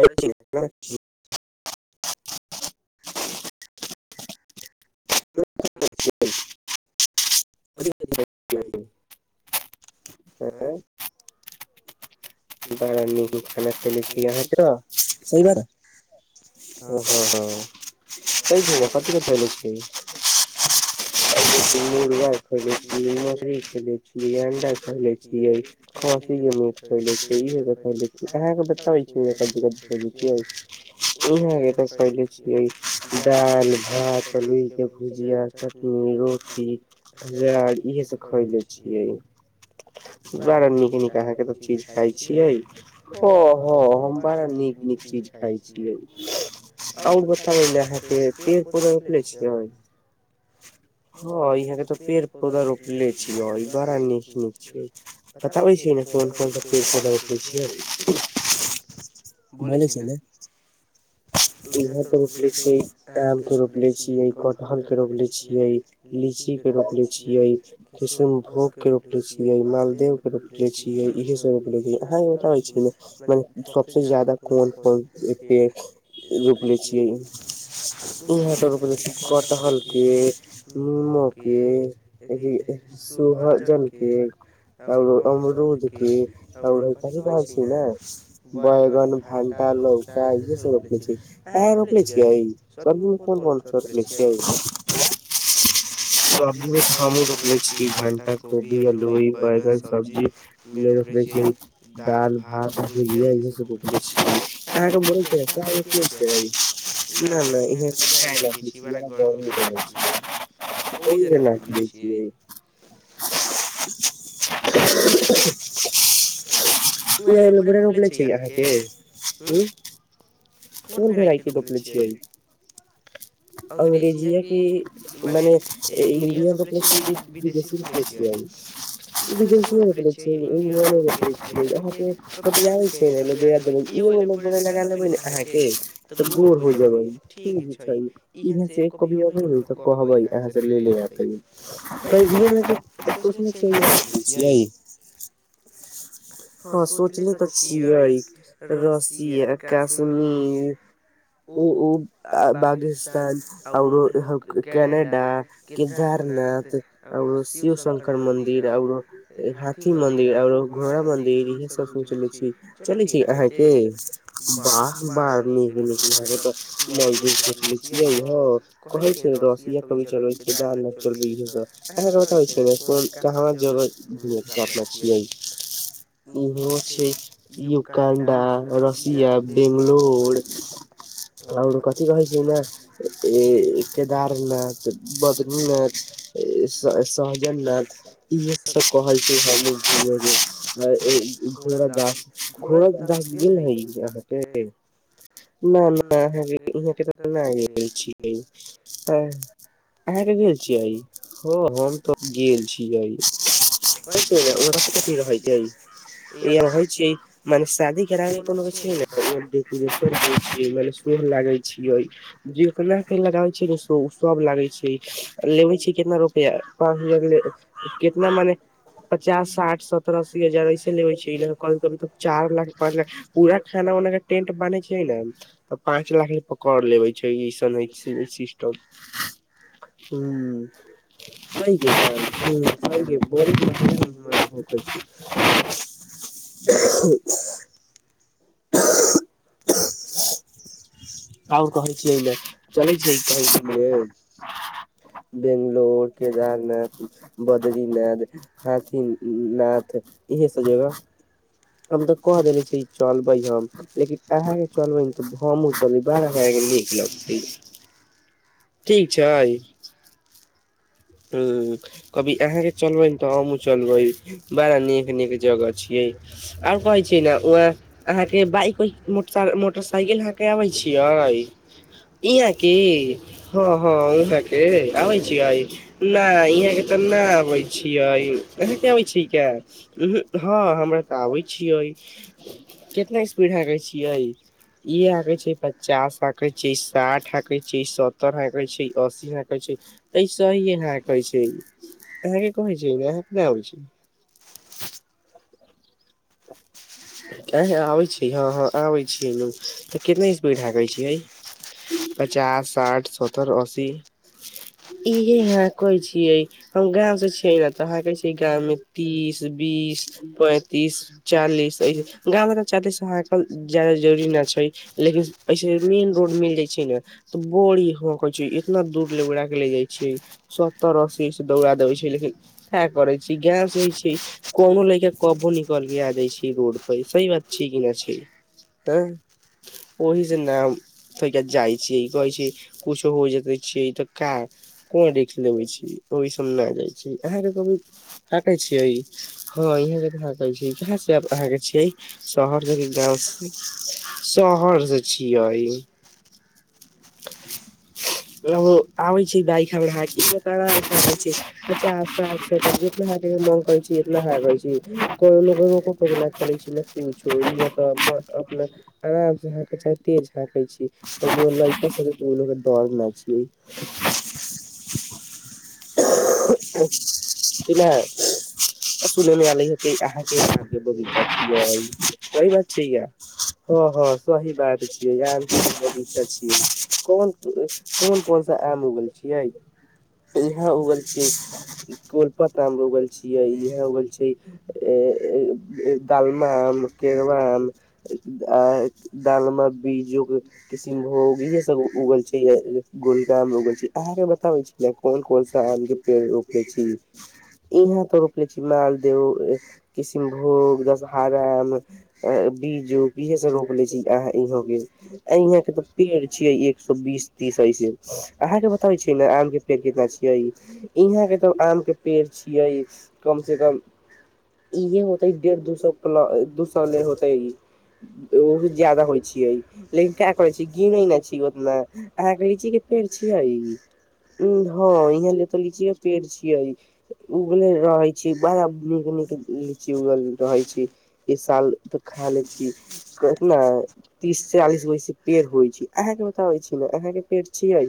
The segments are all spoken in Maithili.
ओके ओके [unintelligible] [unintelligible] आँय बड़ा नीक नीक खाना खैलेरही अहाँके तऽ सहीमे ओ ह ह क छै पति कथ ल छै [unintelligible] [unintelligible] मुर्गा खैले छी मसुरीखैले छी अंडा खैले छियै पहिल [unintelligible] अहाँ के [unintelligible] बताबै छीह दाल भात लोइके भुजिया चटनी रोटी इहा इहे सब खयले छियै बड़ा नीक नीक अहा के त चीज खाइ छियै ओ ह हम बड़ा नीक नीक चीज खाय छियै और बताबु न अहाँके पेड़ पौधा रोपले छियै हँ इहाँ के तऽ पेड़ पौधा रोप ले छीयै बड़ा नीक नीक छै। बताबै छियै न कोन कोन बोल छै। ने [unintelligible] ह [inaudible] इहाँ त रोपले छियै आम के रोपले छियै कटहल के रोपले छियै लीची के रोपले छियै किष्नभोग के रोपले छियै मालदेव के रोपले छियै इहे सब रोपले रहियै आहाँके बताबै छियै ने म सबसँ जादा कोन पैन को पेड़ रोप ले छियै इहैटा रोपले छियै कठहल के निमो के सुहजन के औरोअमरूद के औरै कथि कहै छै। न बैगन भंटा लौका इहे सब रोपले आहाँ रोपले छियै सब कोन कोन रोपले छियै आँय सब्जीमे तऽ हमहूँ रोपले छी भण्टा कोबी अलइ बैगन सब्जी मे रोप रोपले छिय दाल भात भुजिया इहे सब रोपले छियै अहाँके बोलै छै। छै। नहि नहि इहाँ तऽ चाय न पी छी बड़ा गर्मी पड़ैत छियै ओहि जेना कै छियै [unintelligible] रोपले छियै अहाँके ह कोन भेरइ के रोपले छियै अंग्रेजीया कि माने इंडियन रोपने छियै की विदेशी रोपने छियै अइ विदेशीयो रोपने छियै इंडियनो रोपने छियै आहाँ के पटियाय किया ने छियै लगा लेबै ने अहाँ के तऽ गोर हो जेबै कि बुझै इह से कवी अ त कहबै अहाँ से लेे आ [unintelligible] हँ सोचले तऽ छियै रसिया काश्मीर ओ ओ आ बागेश आरो कनेडा केदारनाथ आरो शिव शंकर मंदिर आरो हाथी मंदिर आरो घोड़ा मंदिर इहे सब सोचले छी चलू अहाँके बाह बाह न [unintelligible] य ह कहै छै। रसिया कव चलै छै। न चलबै इह त क क होइ छै। [unintelligible] इहो छियै यूकणडा रशिया बेंगलोर आओर कथी कहै छै। न केदारनाथ बद्रूनाथ सह सहजननाथ [unintelligible] [unintelligible] छिय हँ अहाँके गेल छीय हाँ हम गेल छीय कहै छै क रहै छियै यहाँ रहै छियै मने शादी केराने लगै छियै ने उहे डेकोरेट [unintelligible] जे केना केे लगाबे छै ने सब लागै छै लेबे छै केतना रुपया कह कितना मने पचास साठ सत्तर अस्सी हजार ऐसे लेबै छियै यहाँ कभी कभी तऽ चार लाख पाँच लाख पूरा खाना टेंट बनै छै न पाँच लाख रुपैया पकड़ लेबै छै छै ई सिस्टम हूँ [unintelligible] [inaudible] आओर कहै छियै न चलै छिये कहूँ घूमने बेंगलोर केदारनाथ बद्रीनाथ हाथिनाथ इहे सब जगह हम तऽ कह देले छिये चलबै हम लेकिन अहाँ जे चलबै न तऽ भले गेल नीक लगतै ठीक छै [inaudible] हूँ कभी अहाँके चलबै न तऽ हमहुँ चलबै बड़ा नीक नीक जगह छियै आओर कहै छियै न अहाँ के बाइक उइक मोटरसाइकिल हाँके आबै छीयै यै इहाँ के हँ हँ इहाँ के आबै छियै नहि इहाँ के तऽ न आबै छियै अहाँ के आबे छी कऽ उंहू हँ हमरा के तऽ आबै छियै कितना स्पीड हाँकै छियै ई हाँकै छियै पचास हाँकै छियै साठ हाँकै छियै सत्तर हाँकै छियै अस्सी हाँकै छियै ऐसहीये हाँकै छियै अहाँ के कहै छियै अहाँ अपने आबय छियै [inaudible] अहाँ आबै छीयै न हँ हँ आबै छी तऽ कितना स्पीड हाँकै छियै। पचास साठ सत्तर असी इहे हाँकै छीयै हम गाँव से छियै न तऽ हाँकै छियै गाँवमे तीस बीस तीस पैंतीस चालीस एसे गाँवमे तऽ चालीस हाँकल जाय जरूरी न छै लेकिन एसहि मेन रोड मिल जाइ छियै न तऽ बड़ी हँकय छियै इतना दूर लेग उड़ा के ले जाइ छियै सत्तर असी एही से दौड़ा देबे छियै लेकिन का करै छै गाँव से हय छै कोनो लइका कबो निकल छी रोड पर सही बात छै कि न छै हँ ओहि से न हम जाइ छीयै कहै छिये कुछो हो जतइ छियै तऽ काम कोन रिस्क लेबै छी ओहि सँ हम ना जाइ छी अहाँ के कभी ताकै छियै हँ इहाँ जे कह कहै छै [unintelligible] जब अहाँ के छियै शहर जेबै गाँव से शहर से छियै [inaudible] आहो आबय छै बाइक हमरा हाके छै पचास साठ सत्तर जेते हाके मोन करैय छी एतना हाकय छै हाँकै छियै [unintelligible] बोलय तऽ छियै बोले के डर न छियै [inaudible] ह [inaudible] कि ना सुने मे आलै है कि अहाँ के सही बात छियै या हँ हँ सही बात छियै बगीचा छियै कोन कोन कोन सा आम उगेले छियै इहे उगल छीयै कोलपत आम उगल छियै इहे उगल छियै त [inaudible] दालमा आम केरवा आम आ दालमा बीजु के किसीनभोग इहे सब उगल छै य य गुलगा आम ऊगल छी अहाँ के बताबै छी कोन कोन सा आम के पेड़ रोपले छी इहाँ तऽ रोपले छी मालदेव किसीन भोग दशहारा आम बिजू इहे सब रोपने छी अहाँ इहो बेर यहाँ के तऽ पेर छिये एक सौ बीस तीस तेय अहाँ के बताबै छी आम के पेड़ कितना छिये इहाँ के त आम के पेड़ छिये कम से कम इहे देढ़ दू सौ पलस दु सौ नय होतै ओ ज्यादा होइ छिये लेकिन का करै छी गिने न छी ओतना अहा के लिची के पेड़ छियई उ हँ इहाँ ल तऽ लीची पेड़ छिये ओगले रहै छै बड़ा [unintelligible] उड़ल रहै छी इ साल तऽ खा ले छी कतना तीस चालीस ओय से पेर होइ छै आहा के बताबय छी ना आहा के पेर छियै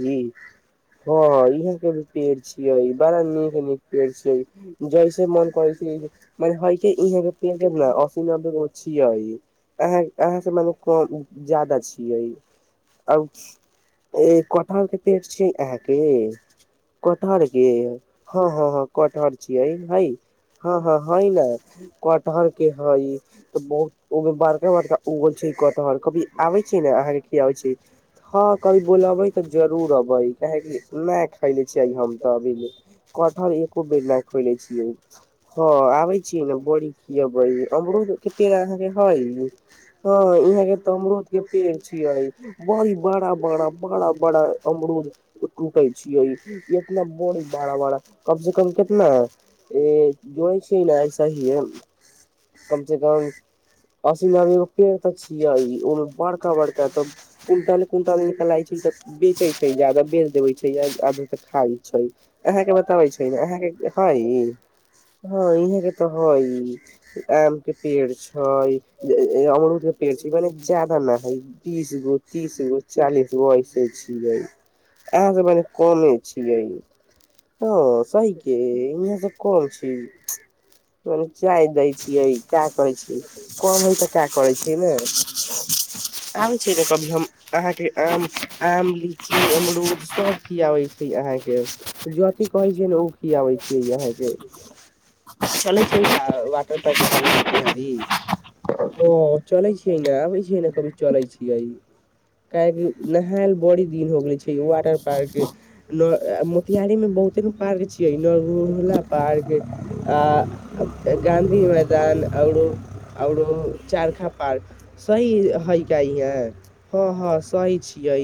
हँ इह क पेर छिय बड़ा नीक नीक पे छी जैस मन कर मन है कि इहप पेड़ न असी नब्बे गो छिये अहा अहाँ से म कम जादा छी छिय आ ए कटहल के पेर छिय आहा के कटहर के हँ हँ हँ कटहर छियै ह हँ हँ हेय न कटहर के हइ त बहुत ओमे बड़का बड़का उगल छै कटहर कभी आबै छि न अहाँ के खिआबय छी कभी बोलबे तऽ जरूर अबे काहेेकी न खले छीई हम त अभी कटहर एको बेर ना खैले छियै हां आबय किने बड़ी किया बड़ी अमरूद के अहाँ के हइ ह इहाँके तऽ अमरूद के पेड़ छियै बरी बड़ा बड़ा बड़ा बड़ा अमरुद टूटय छियै कितना बड़ी बड़ा बड़ा अम कम केतना ए जोड़े छियै नेऐ सी ई एम कम से कम असी नबे रूपये त छियइ ओ मे बड़का बड़का तऽ कुनटले कुनटल लाई छै त बेचे छै जादाा बेच देबे छै या आदमी के खाइ छै अहाँ के बताबै छै ने अहाँके हई हँ ई हे हई आम के पेड़ छई अमरूद के पेड़ छै ई मने जादा तीस गो तीस गो चालीस गो बइसे छियै अहाँ स मने कमे छियै हँ सही के इहा तऽ कम छी चलू चाय दै छियै का करै छीयै काम हइ तऽ का करै छीयै न आब छै त कभी हम अहाँके आम आम लीची अमरूद सब खियाबै छि अहाँ के जोति कहै छै ने ओ खिआबै छी आहाँ के [unintelligible] जे ने कनी चले छियै क नहेल बड़ी दिन हो गेल छै हमरा ओरी के मोतिहारी मे बहुत [unintelligible] [unintelligible] सही हाल चाल हिय हँ हँ सही छियै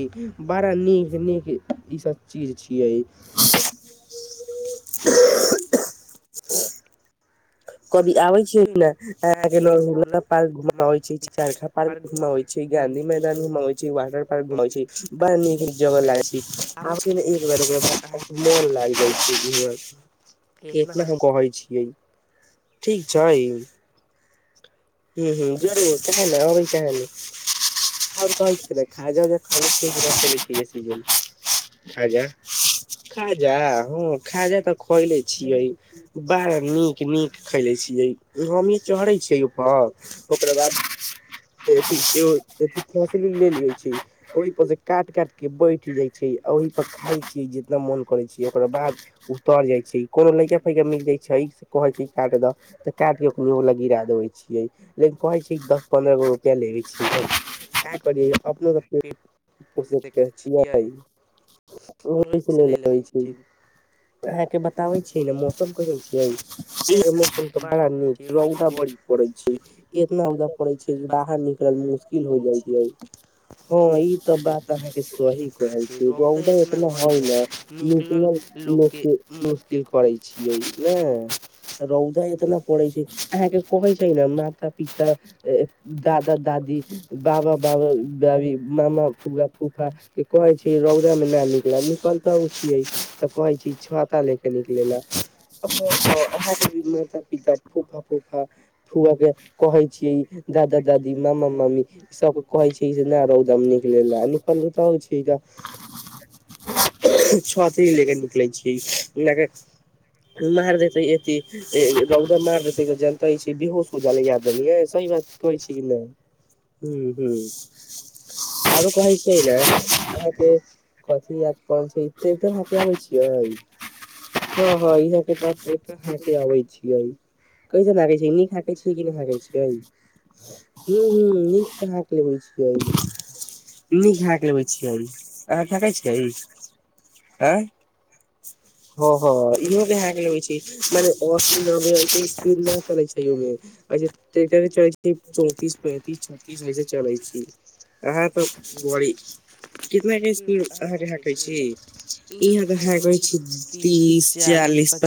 बड़ा निक निक सब चीज छियै [unintelligible] कभी आबै छियै ने अहाँके लग मे पार्क घुमाबय छियै पार्क घुमाबय छियै गांधी मैदान घुमाबय छी वाटर पार्क घुमाबय छि बड़ा नीक जगह लागे छै मन लागि जाइ छै इंहा इतना हम कहै छियै ठीक छै हं हं जरूर काहे ना आबय काहे न तर काज छल हाज ह समस हमरा च छ सज [unintelligible] आजा खाजा हँ खाजा तऽ खैले छियै बड़ा नीक नीक खैले छीयै यै हमी चढ़ै छियै ओपर ओकरा बाद [unintelligible] काट काटके बैठ जाइ छै ओहि पर खाय छी जितना मोन करे छी ओकरा बाद उतर जाय छै कोनो लैका फैका मिल जाय छै कहय छि काट द त काटके ओनी ओर लग गिरा दै छि लइ कहै छियै दस पन्दरह गो रुपआ लेने छि [unintelligible] [unintelligible] अहाँके बताबै छी ने मौसम देखे छियै जी मौसम त बड़ा निक रौदा बर परय छै एतना रौदा पड़ै छै जे बाहर निकलल मुशकिल हो जाइ छीयै हँ ई त बात अहाँके सही कहै छीयै रौदा इतना है ने निकलल लोक के ली पै छिय ने रौदा इतना परै छै अहाँके कहय छै न माता पिता दादा दादी बाबा बाबो बाबी मामा फूला फूफा कहै छै रौदा मे न निकल निकलते उ छियै तऽ कहै छै छाता ल के निकलला आहाँके माता पिता फुआ के कहय छी दादा दादी मामा मामी सभ कह छै से न रौद न निकलयला आ निकलही तब कि जा छती लेके निकलै छीयइ लग मार देते एते रौदा मार देते जल तैसो [unintelligible] बेहोश होज लग याद सही बात कहै छी की नै ह्म ह्म आरो कहै छै न आहाँ के को स इ हत होइ छै आइ [unintelligible] हँ हँ यहाँ के प आबै छियै क [unintelligible] झिमी खै के छै की नहि खैके छै ह्म ह्म नीकभागै छै हक लगै छ नीक हाक लेबै छियै अहाँ फठकै छियै एँ ह ह इहो त है लगै छै म अशी नब [unintelligible] अछा च छी चौंतिस पैंतिस छतीीस वइसे चलै छी [unintelligible] हाँत बड़ी कितना के स्पीड अहां के हाँकै छी इहां त हाँक तीस चालीस पचा